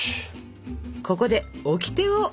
ここでオキテをお願い！